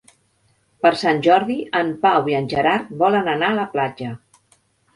Per Sant Jordi en Pau i en Gerard volen anar a la platja.